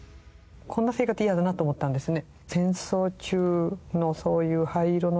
こんな生活ヤダなと思ったんですね。